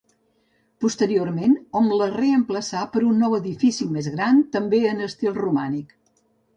Posteriorment, hom la reemplaçà per un nou edifici més gran, també en estil romànic.